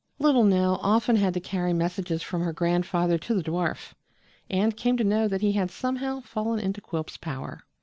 Little Nell often had to carry messages from her grandfather to the dwarf, and came to know that he had somehow fallen into Quilp's power.